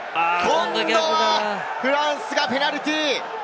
今度はフランスがペナルティー。